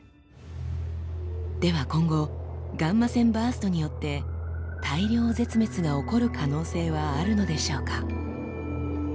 では今後ガンマ線バーストによって大量絶滅が起こる可能性はあるのでしょうか？